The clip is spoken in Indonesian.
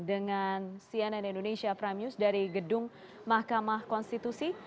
dengan cnn indonesia prime news dari gedung mahkamah konstitusi